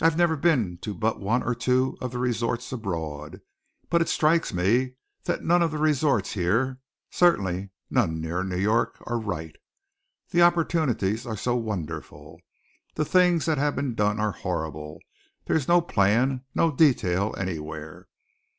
"I've never been to but one or two of the resorts abroad, but it strikes me that none of the resorts here certainly none near New York are right. The opportunities are so wonderful. The things that have been done are horrible. There is no plan, no detail anywhere."